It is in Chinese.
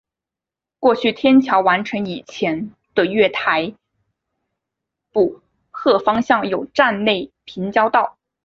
过去天桥完成以前的月台浦贺方向有站内平交道。